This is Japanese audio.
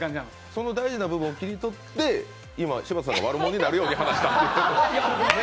その大事な部分を切り取って今、柴田さんが悪者になるように話した。